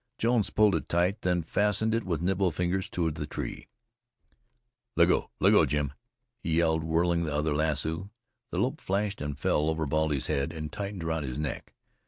Jones pulled it tight, then fastened it with nimble fingers to the tree. "Let go! let go! Jim!" he yelled, whirling the other lasso. The loop flashed and fell over Baldy's head and tightened round his neck.